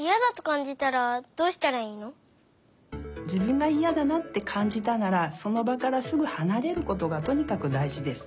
じぶんがいやだなあってかんじたならそのばからすぐはなれることがとにかくだいじです。